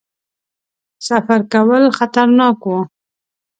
سفر کول خطرناک وو.